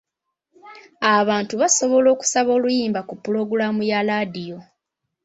Abantu basobola okusaba oluyimba ku pulogulaamu ya laadiyo.